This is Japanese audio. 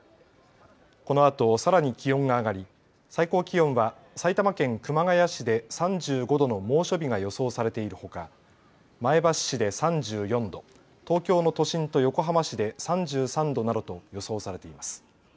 このあと、さらに気温が上がり最高気温は埼玉県熊谷市で３５度の猛暑日が予想されているほか、前橋市で３４度、東京の都心と横浜市で３３度などと予想されています。